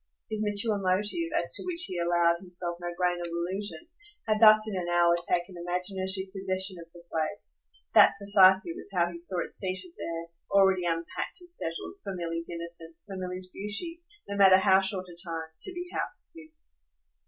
His mature motive, as to which he allowed himself no grain of illusion, had thus in an hour taken imaginative possession of the place: that precisely was how he saw it seated there, already unpacked and settled, for Milly's innocence, for Milly's beauty, no matter how short a time, to be housed with.